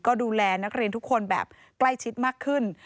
ก็ดูแลนักเรียนทุกคนแบบใกล้ชิดมากขึ้น